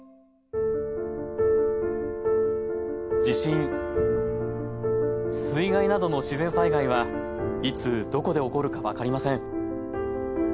地震水害などの自然災害はいつどこで起こるか分かりません。